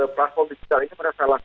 platform digital ini merasa lebih baik